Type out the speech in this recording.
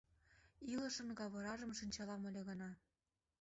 Илышын кавыражым шинчалам ыле гына